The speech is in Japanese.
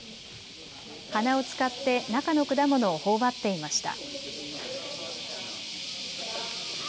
鼻を使って中の果物をほおばっていました。